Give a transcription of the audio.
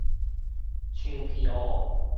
象鼻湖